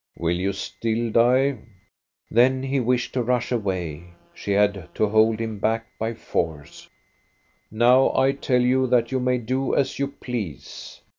•'Will you still die?" Then he wished to rush away. She had to hold him back by force. '• Now I tell you that you may do as you please.